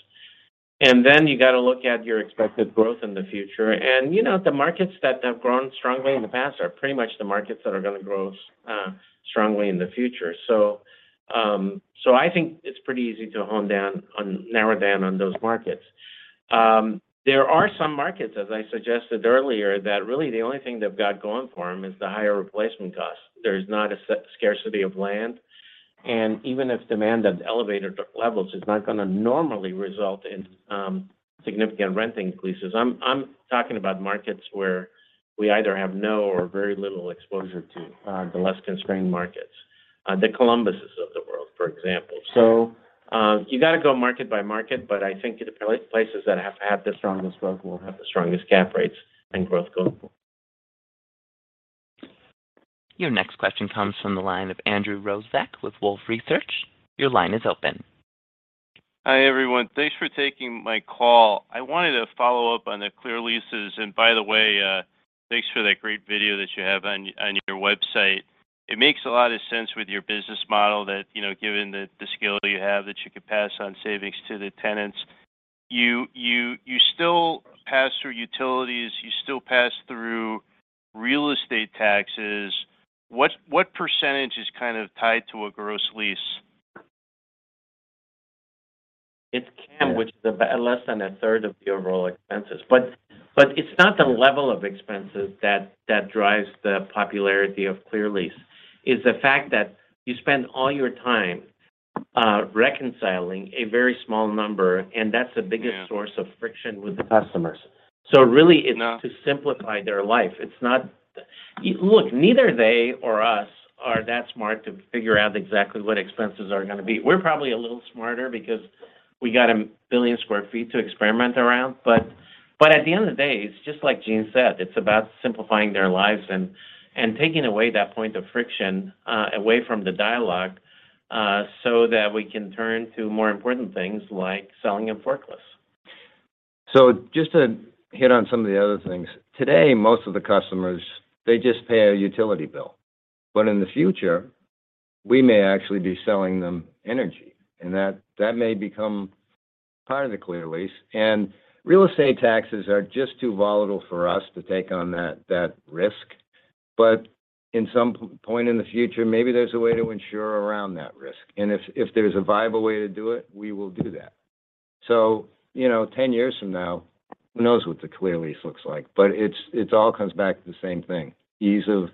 You gotta look at your expected growth in the future. You know, the markets that have grown strongly in the past are pretty much the markets that are gonna grow strongly in the future. I think it's pretty easy to narrow down on those markets. There are some markets, as I suggested earlier, that really the only thing they've got going for them is the higher replacement costs. There's not a scarcity of land. Even if demand at elevated levels is not gonna normally result in significant rent increases, I'm talking about markets where we either have no or very little exposure to the less constrained markets, the Columbuses of the world, for example. You gotta go market by market, but I think the places that have had the strongest growth will have the strongest cap rates and growth going forward. Your next question comes from the line of Andrew Rosivach with Wolfe Research. Your line is open. Hi, everyone. Thanks for taking my call. I wanted to follow up on the Clear Leases. By the way, thanks for that great video that you have on your website. It makes a lot of sense with your business model that, you know, given the scale you have, that you could pass on savings to the tenants. You still pass through utilities, you still pass through real estate taxes. What percentage is kind of tied to a gross lease? It's CAM, which is about less than a third of your overall expenses. It's not the level of expenses that drives the popularity of Clear Lease. It's the fact that you spend all your time reconciling a very small number, and that's the biggest. Yeah. Source of friction with the customers. Really, it's to simplify their life. It's not. Look, neither they or us are that smart to figure out exactly what expenses are gonna be. We're probably a little smarter because we got 1 billion sq ft to experiment around. But at the end of the day, it's just like Gene said, it's about simplifying their lives and taking away that point of friction away from the dialogue so that we can turn to more important things like selling them forklifts. Just to hit on some of the other things. Today, most of the customers, they just pay a utility bill. In the future, we may actually be selling them energy, and that may become part of the clear lease. Real estate taxes are just too volatile for us to take on that risk. In some point in the future, maybe there's a way to insure around that risk. If there's a viable way to do it, we will do that. You know, 10 years from now, who knows what the clear lease looks like. It's all comes back to the same thing, ease of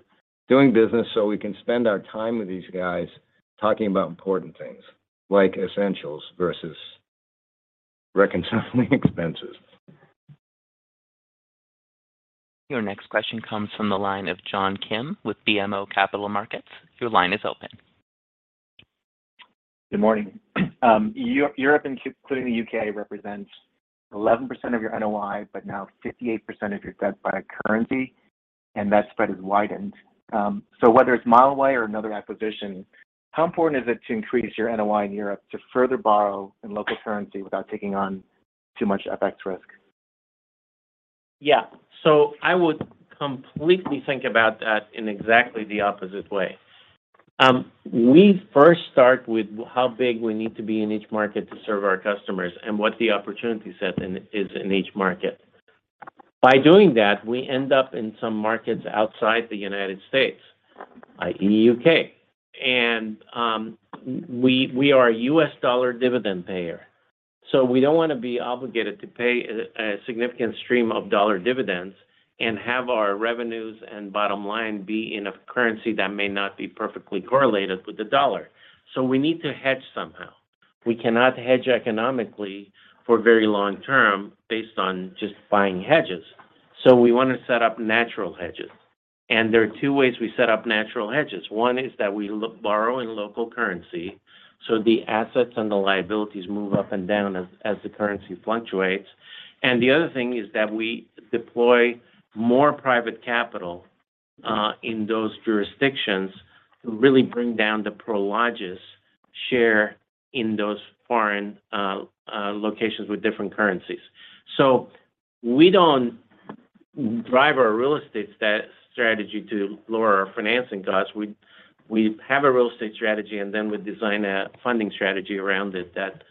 doing business so we can spend our time with these guys talking about important things like essentials versus reconciling expenses. Your next question comes from the line of John P. Kim with BMO Capital Markets. Your line is open. Good morning. Europe including the U.K. represents 11% of your NOI, but now 58% of your debt by currency, and that spread has widened. Whether it's Mileway or another acquisition, how important is it to increase your NOI in Europe to further borrow in local currency without taking on too much FX risk? Yeah. I would completely think about that in exactly the opposite way. We first start with how big we need to be in each market to serve our customers and what the opportunity set in is in each market. By doing that, we end up in some markets outside the United States, i.e., U.K. We are a U.S. dollar dividend payer, so we don't wanna be obligated to pay a significant stream of dollar dividends and have our revenues and bottom line be in a currency that may not be perfectly correlated with the dollar. We need to hedge somehow. We cannot hedge economically for very long term based on just buying hedges, so we wanna set up natural hedges. There are two ways we set up natural hedges. One is that we borrow in local currency, so the assets and the liabilities move up and down as the currency fluctuates. The other thing is that we deploy more private capital in those jurisdictions to really bring down the Prologis share in those foreign locations with different currencies. We don't drive our real estate strategy to lower our financing costs. We have a real estate strategy, and then we design a funding strategy around it that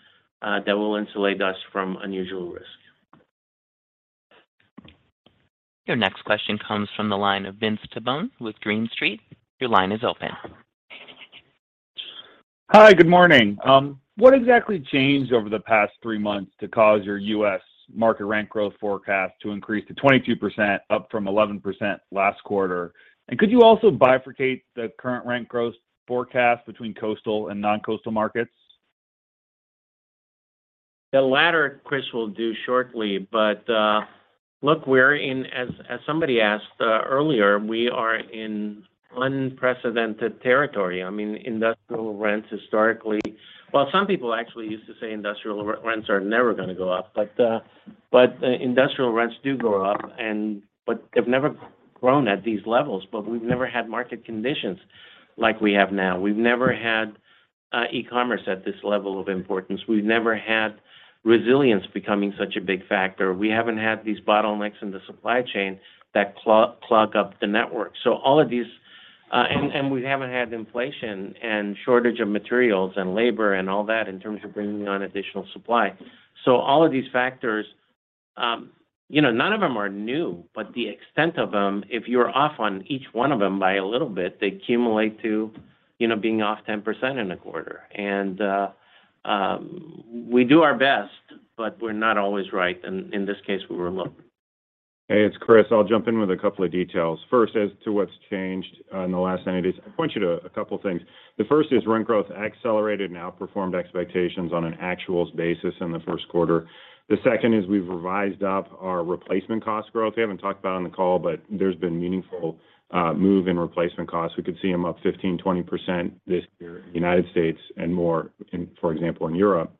will insulate us from unusual risk. Your next question comes from the line of Vince Tibone with Green Street. Your line is open. Hi, good morning. What exactly changed over the past three months to cause your U.S. market rent growth forecast to increase to 22% up from 11% last quarter? Could you also bifurcate the current rent growth forecast between coastal and non-coastal markets? The latter, Chris will do shortly. Look, we're in, as somebody asked earlier, we are in unprecedented territory. I mean, industrial rents historically. Well, some people actually used to say industrial rents are never gonna go up, but industrial rents do go up and, but they've never grown at these levels. We've never had market conditions like we have now. We've never had e-commerce at this level of importance. We've never had resilience becoming such a big factor. We haven't had these bottlenecks in the supply chain that clog up the network. All of these, and we haven't had inflation and shortage of materials and labor and all that in terms of bringing on additional supply. All of these factors, you know, none of them are new, but the extent of them, if you're off on each one of them by a little bit, they accumulate to, you know, being off 10% in a quarter. We do our best, but we're not always right, and in this case, we were wrong. Hey, it's Chris. I'll jump in with a couple of details. First, as to what's changed in the last 90 days. I point you to a couple things. The first is rent growth accelerated and outperformed expectations on an actuals basis in the first quarter. The second is, we've revised up our replacement cost growth. We haven't talked about it on the call, but there's been meaningful move in replacement costs. We could see them up 15%-20% this year in the United States and more in, for example, Europe.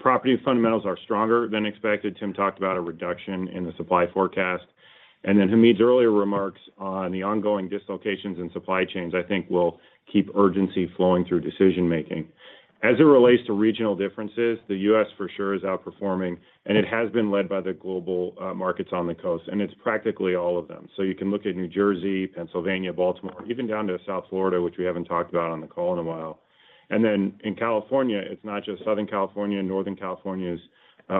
Property fundamentals are stronger than expected. Tim talked about a reduction in the supply forecast. Hamid's earlier remarks on the ongoing dislocations in supply chains, I think will keep urgency flowing through decision-making. As it relates to regional differences, the U.S. for sure is outperforming, and it has been led by the global markets on the coast, and it's practically all of them. You can look at New Jersey, Pennsylvania, Baltimore, even down to South Florida, which we haven't talked about on the call in a while. Then in California, it's not just Southern California, Northern California is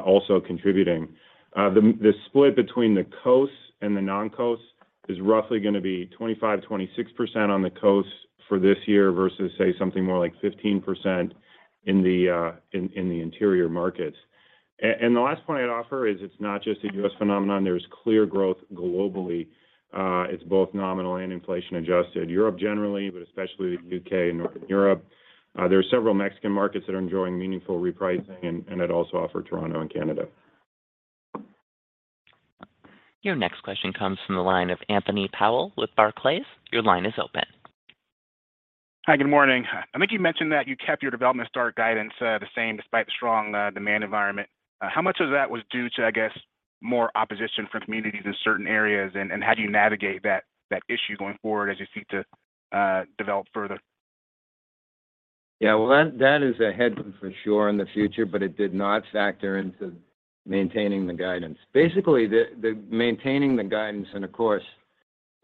also contributing. The split between the coasts and the non-coasts is roughly gonna be 25%-26% on the coasts for this year versus, say, something more like 15% in the interior markets. The last point I'd offer is it's not just a U.S. phenomenon. There's clear growth globally. It's both nominal and inflation adjusted. Europe generally, but especially the U.K. and Northern Europe. There are several Mexican markets that are enjoying meaningful repricing, and I'd also offer Toronto and Canada. Your next question comes from the line of Anthony Powell with Barclays. Your line is open. Hi. Good morning. I think you mentioned that you kept your development start guidance the same despite the strong demand environment. How much of that was due to, I guess, more opposition from communities in certain areas, and how do you navigate that issue going forward as you seek to develop further? Yeah. Well, that is a headwind for sure in the future, but it did not factor into maintaining the guidance. Basically, the maintaining the guidance and of course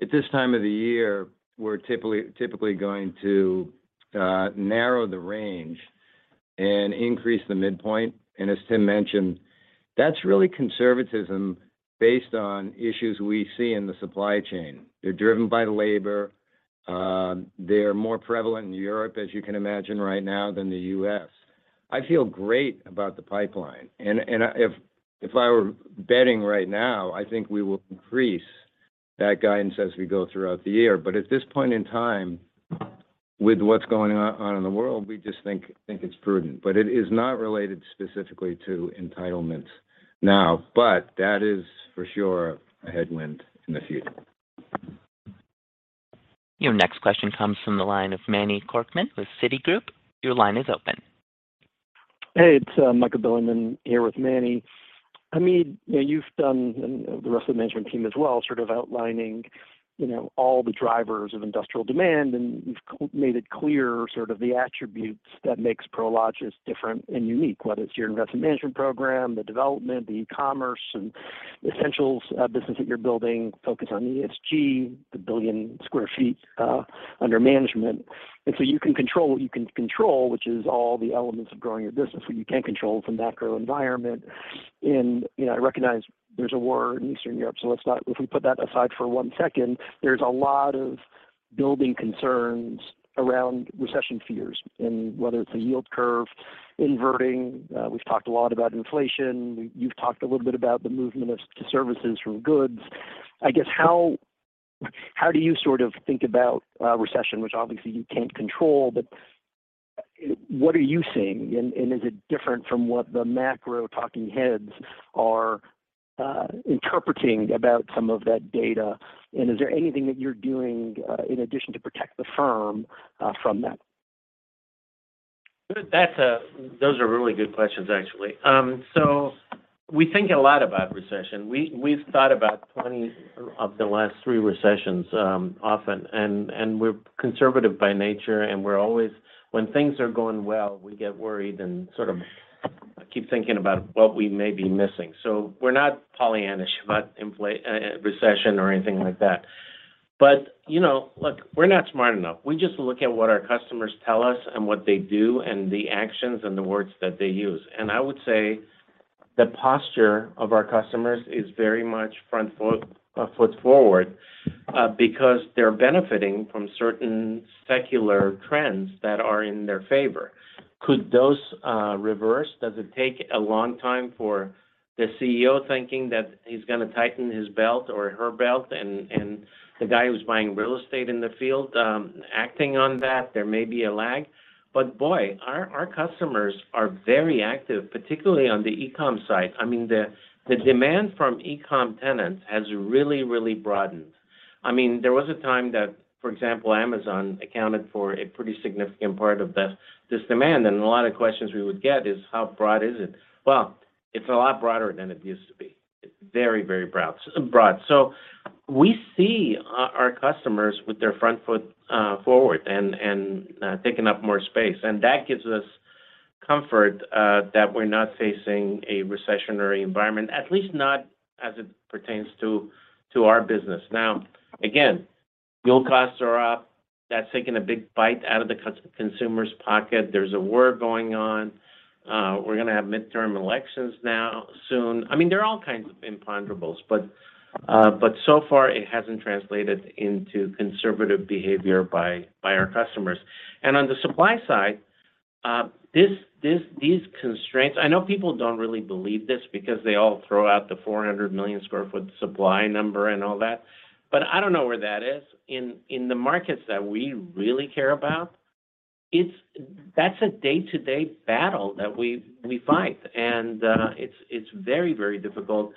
at this time of the year, we're typically going to narrow the range, and increase the midpoint. As Tim mentioned, that's really conservatism based on issues we see in the supply chain. They're driven by labor, they're more prevalent in Europe as you can imagine right now than the U.S. I feel great about the pipeline, and if I were betting right now, I think we will increase that guidance as we go throughout the year. At this point in time with what's going on in the world, we just think it's prudent. It is not related specifically to entitlements now, but that is for sure a headwind in the future. Your next question comes from the line of Manny Korchman with Citigroup. Your line is open. Hey, it's Michael Bilerman here with Manny. Hamid, you know, you've done, and the rest of the management team as well, sort of outlining, you know, all the drivers of industrial demand, and you've made it clear sort of the attributes that makes Prologis different and unique, whether it's your investment management program, the development, the e-commerce, and Essentials business that you're building, focus on ESG, the 1 billion sq ft under management. You can control what you can control, which is all the elements of growing your business. What you can't control from macro environment, you know, I recognize there's a war in Eastern Europe, so let's not. If we put that aside for one second, there's a lot of lingering concerns around recession fears, and whether it's a yield curve inverting, we've talked a lot about inflation. You've talked a little bit about the movement to services from goods. I guess, how do you sort of think about recession, which obviously you can't control, but what are you seeing and is it different from what the macro talking heads are interpreting about some of that data? Is there anything that you're doing in addition to protect the firm from that? Those are really good questions, actually. We think a lot about recession. We've thought about 20 of the last three recessions often, and we're conservative by nature and we're always. When things are going well, we get worried and sort of keep thinking about what we may be missing. We're not Pollyanna-ish about recession or anything like that. You know, look, we're not smart enough. We just look at what our customers tell us and what they do and the actions and the words that they use. I would say the posture of our customers is very much front-foot forward, because they're benefiting from certain secular trends that are in their favor. Could those reverse? Does it take a long time for the CEO thinking that he's gonna tighten his belt or her belt and the guy who's buying real estate in the field acting on that, there may be a lag? Boy, our customers are very active, particularly on the e-com side. I mean, the demand from e-com tenants has really broadened. I mean, there was a time that, for example, Amazon accounted for a pretty significant part of this demand, and a lot of questions we would get is, how broad is it? Well, it's a lot broader than it used to be. Very broad. We see our customers with their front-foot forward and taking up more space. That gives us comfort that we're not facing a recessionary environment, at least not as it pertains to our business. Now, again, fuel costs are up. That's taking a big bite out of the consumer's pocket. There's a war going on. We're gonna have midterm elections soon. I mean, there are all kinds of imponderables. So far it hasn't translated into conservative behavior by our customers. On the supply side, these constraints, I know people don't really believe this because they all throw out the 400 million sq ft supply number and all that, but I don't know where that is. In the markets that we really care about, it's a day-to-day battle that we fight. It's very difficult.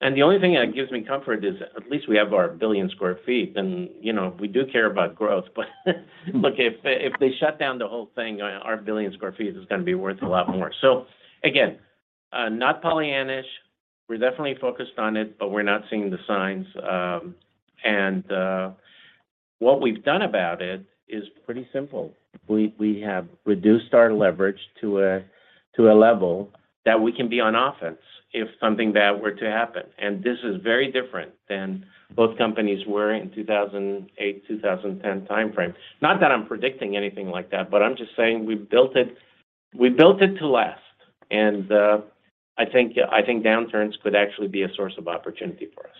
The only thing that gives me comfort is at least we have our 1 billion sq ft and, you know, we do care about growth. Look, if they shut down the whole thing, our 1 billion sq ft is gonna be worth a lot more. Again, not Pollyanna-ish. We're definitely focused on it, but we're not seeing the signs. What we've done about it is pretty simple. We have reduced our leverage to a level that we can be on offense if something bad were to happen. This is very different than both companies were in 2008, 2010 timeframe. Not that I'm predicting anything like that, but I'm just saying we've built it to last, and I think downturns could actually be a source of opportunity for us.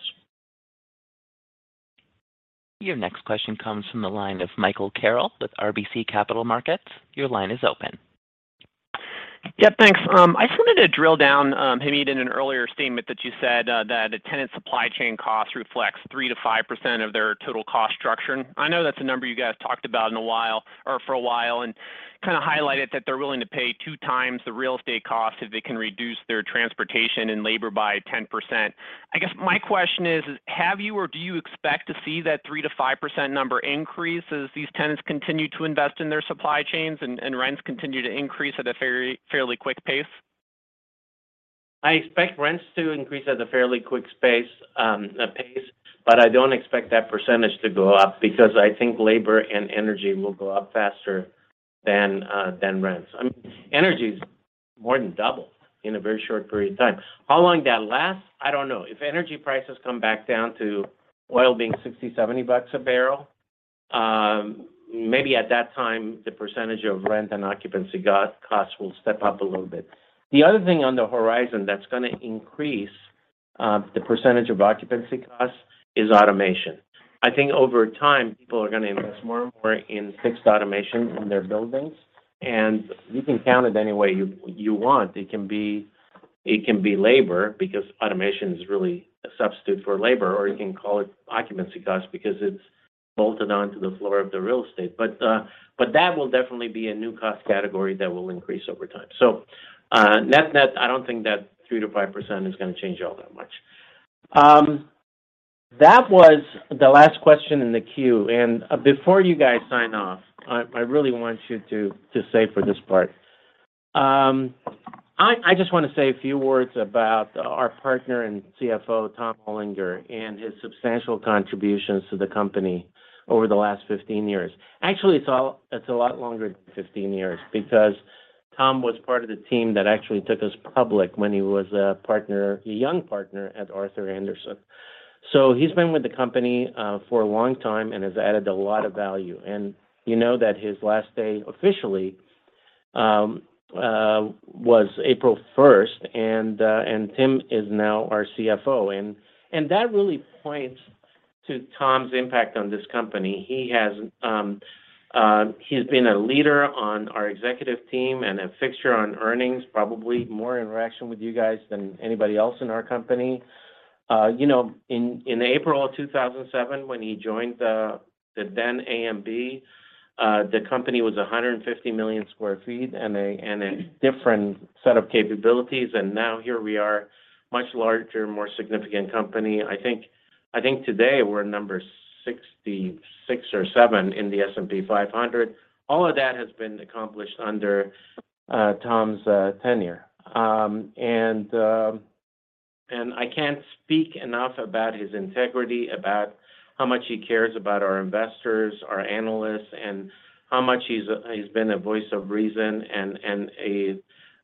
Your next question comes from the line of Michael Carroll with RBC Capital Markets. Your line is open. Yeah. Thanks. I just wanted to drill down, Hamid, in an earlier statement that you said that a tenant supply chain cost reflects 3%-5% of their total cost structure. I know that's a number you guys talked about in a while or for a while, and kind of highlighted that they're willing to pay two times the real estate cost if they can reduce their transportation and labor by 10%. I guess my question is, have you or do you expect to see that 3%-5% number increase as these tenants continue to invest in their supply chains, and rents continue to increase at a fairly quick pace? I expect rents to increase at a fairly quick pace, but I don't expect that percentage to go up because I think labor and energy will go up faster than rents. Energy's more than doubled in a very short period of time. How long that lasts, I don't know. If energy prices come back down to oil being $60-$70 a barrel, maybe at that time, the percentage of rent and occupancy costs will step up a little bit. The other thing on the horizon that's gonna increase the percentage of occupancy costs is automation. I think over time, people are gonna invest more and more in fixed automation in their buildings. You can count it any way you want. It can be labor because automation's really a substitute for labor, or you can call it occupancy cost because it's bolted onto the floor of the real estate. That will definitely be a new cost category that will increase over time. Net-net, I don't think that 3%-5% is gonna change all that much. That was the last question in the queue. Before you guys sign off, I really want you to stay for this part. I just wanna say a few words about our partner and CFO, Tom Olinger, and his substantial contributions to the company over the last 15 years. Actually, it's all... It's a lot longer than 15 years because Tom was part of the team that actually took us public when he was a partner, a young partner at Arthur Andersen. He's been with the company for a long time and has added a lot of value. You know that his last day officially was April 1st, and Tim is now our CFO. That really points to Tom's impact on this company. He's been a leader on our executive team and a fixture on earnings, probably more interaction with you guys than anybody else in our company. You know in April 2007 when he joined the then AMB, the company was 150 million sq ft and a different set of capabilities. Now here we are, much larger, more significant company. I think today we're number 66 or seven in the S&P 500. All of that has been accomplished under Tom's tenure. I can't speak enough about his integrity, about how much he cares about our investors, our analysts, and how much he's been a voice of reason, and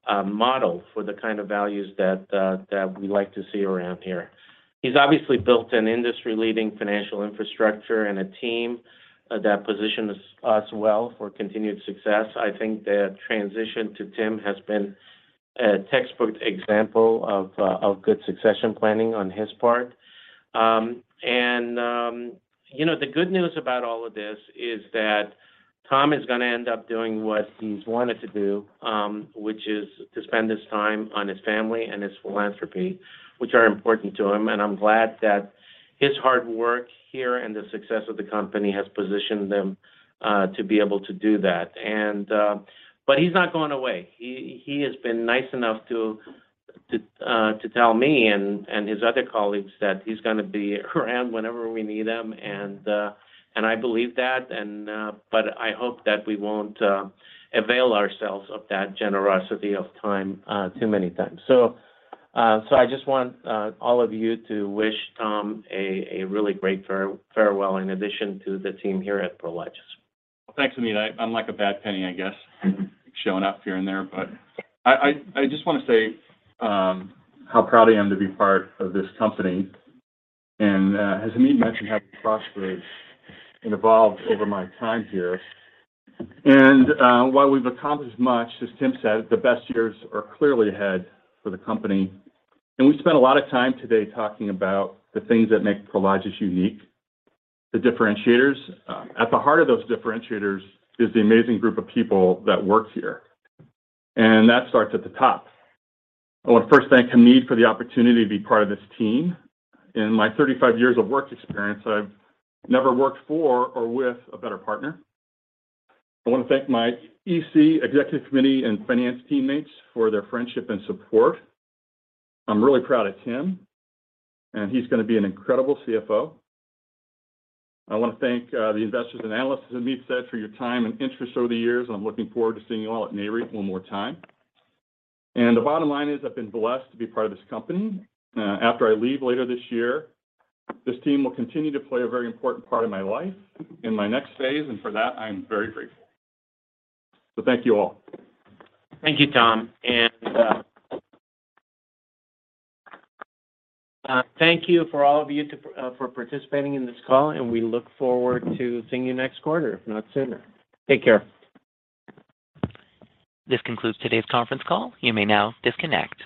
a model for the kind of values that we like to see around here. He's obviously built an industry leading financial infrastructure and a team that positions us well for continued success. I think the transition to Tim has been a textbook example of good succession planning on his part. You know, the good news about all of this is that Tom is gonna end up doing what he's wanted to do, which is to spend his time on his family and his philanthropy, which are important to him. I'm glad that his hard work here and the success of the company has positioned him to be able to do that. He's not going away. He has been nice enough to tell me and his other colleagues that he's gonna be around whenever we need him. I believe that. I hope that we won't avail ourselves of that generosity of time too many times. I just want all of you to wish Tom a really great farewell in addition to the team here at Prologis. Well, thanks, Hamid. I'm like a bad penny, I guess, showing up here and there. I just wanna say how proud I am to be part of this company and as Hamid mentioned, how it prospered and evolved over my time here. While we've accomplished much, as Tim said, the best years are clearly ahead for the company. We've spent a lot of time today talking about the things that make Prologis unique, the differentiators. At the heart of those differentiators is the amazing group of people that work here, and that starts at the top. I want to first thank Hamid for the opportunity to be part of this team. In my 35 years of work experience, I've never worked for or with a better partner. I wanna thank my EC, executive committee and finance teammates for their friendship and support. I'm really proud of Tim, and he's gonna be an incredible CFO. I wanna thank the investors and analysts, as Hamid said, for your time and interest over the years, and I'm looking forward to seeing you all at Nareit one more time. The bottom line is I've been blessed to be part of this company. After I leave later this year, this team will continue to play a very important part in my life, in my next phase, and for that, I'm very grateful. Thank you all. Thank you, Tom. Thank you to all of you for participating in this call, and we look forward to seeing you next quarter, if not sooner. Take care. This concludes today's conference call. You may now disconnect.